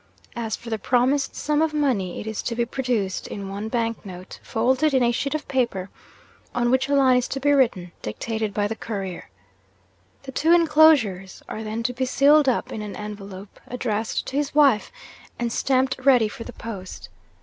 As for the promised sum of money, it is to be produced in one bank note, folded in a sheet of paper, on which a line is to be written, dictated by the Courier. The two enclosures are then to be sealed up in an envelope, addressed to his wife, and stamped ready for the post.